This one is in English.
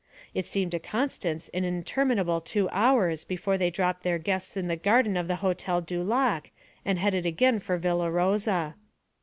It seemed to Constance an interminable two hours before they dropped their guests in the garden of the Hotel du Lac, and headed again for Villa Rosa.